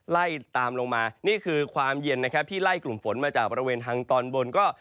ไล่ตามลงมานี่คือความเย็นนะครับที่ไล่กลุ่มฝนมาจากบริเวณทางตอนบนก็